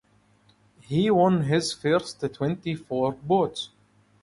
He won his first twenty four bouts.